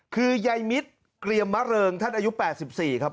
คือยายมิตรเกรียมมะเริงท่านอายุ๘๔ครับ